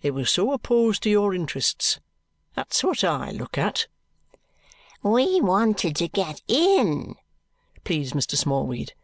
It was so opposed to your interests. That's what I look at." "We wanted to get in," pleads Mr. Smallweed.